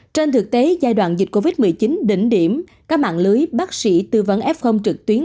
trên thực tế giai đoạn dịch covid một mươi chín đỉnh điểm các mạng lưới bác sĩ tư vấn f trực tuyến